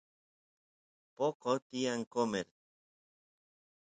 poqo tiyan qomer